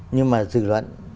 nhưng mà dự luận